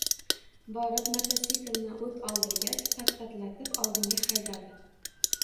Borib, mototsiklni o‘t oldirgach, “pat-pat”latib oldinga haydadi